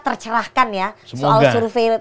tercerahkan ya soal survei